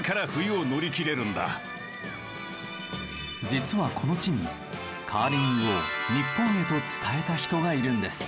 実はこの地にカーリングを日本へと伝えた人がいるんです。